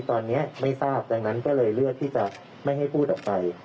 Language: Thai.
ตอนนี้ไม่ทราบดังนั้นก็เลยเลือกที่จะไม่ให้พูดออกไป